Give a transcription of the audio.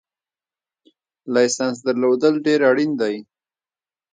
لایسنس درلودل ډېر اړین دي